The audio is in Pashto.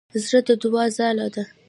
زړه د دوعا ځاله ده.